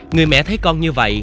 người mẹ thấy con như vậy